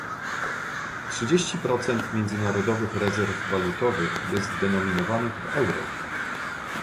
Trzydzieści procent międzynarodowych rezerw walutowych jest denominowanych w euro